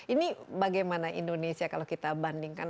ini bagaimana indonesia kalau kita bandingkan